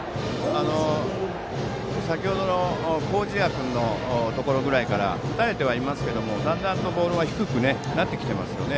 先程の麹家君のところぐらいから打たれてはいますけどだんだんボールは低くなってきていますね。